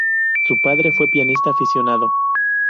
Su padre fue pianista aficionado.